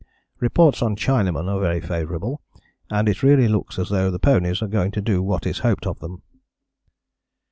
Reports on Chinaman are very favourable, and it really looks as though the ponies are going to do what is hoped of them."